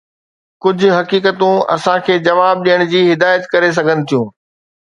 ڪجھ حقيقتون اسان کي جواب ڏيڻ جي هدايت ڪري سگھن ٿيون.